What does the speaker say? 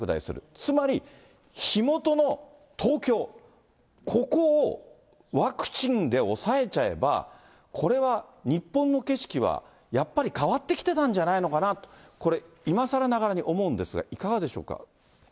つまり火元の東京、ここをワクチンで抑えちゃえば、これは日本の景色はやっぱり変わってきてたんじゃないのかなって、これ、今さらながらに思うんですが、いかがでしょうか。